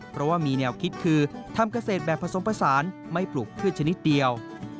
เพราะว่ามีแนวคิดคือทำเกษตรแบบผสมผสานไม่ปลูกพืชชนิดเดียว